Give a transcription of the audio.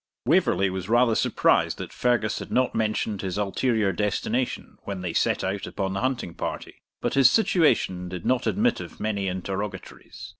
Waverley was rather surprised that Fergus had not mentioned this ulterior destination when they set out upon the hunting party; but his situation did not admit of many interrogatories.